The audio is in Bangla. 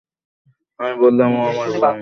আমি বললাম ও আমার বোন, তোকে মাফ চাইতে শুনলাম না তো?